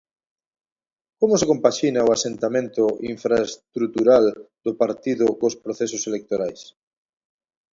Como se compaxina o asentamento infraestrutural do partido cos procesos electorais?